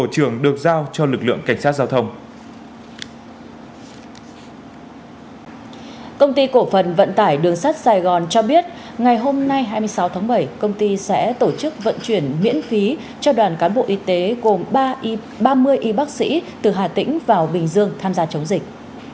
công ty cổ phần vận tải đường sắt sài gòn cho biết ngày hôm nay hai mươi sáu tháng bảy công ty sẽ tổ chức vận chuyển miễn phí cho đoàn cán bộ y tế gồm ba mươi y bác sĩ từ hà tĩnh vào bình dương tham gia chống dịch